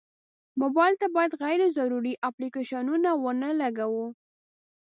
موبایل ته باید غیر ضروري اپلیکیشنونه ونه لګوو.